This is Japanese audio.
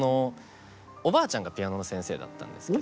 おばあちゃんがピアノの先生だったんですけど。